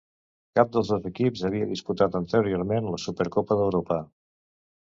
Cap dels dos equips havia disputat anteriorment la Supercopa d'Europa.